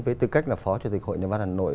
với tư cách là phó chủ tịch hội nhà văn hà nội